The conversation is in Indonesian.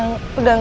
makasih ya sayang